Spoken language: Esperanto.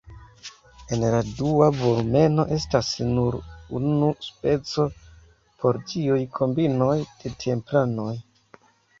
En la dua volumeno estas nur unu speco por ĉiuj kombinoj de templanoj.